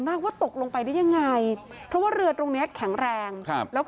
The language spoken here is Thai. พ่อแม่มาเห็นสภาพศพของลูกร้องไห้กันครับขาดใจ